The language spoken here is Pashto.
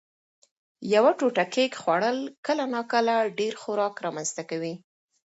یوه ټوټه کېک خوړل کله ناکله ډېر خوراک رامنځ ته کوي.